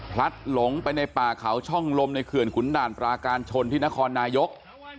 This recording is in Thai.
หลงไปในป่าเขาช่องลมในเขื่อนขุนด่านปราการชนที่นครนายก